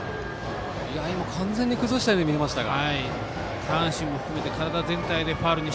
完全に崩したように見えましたが。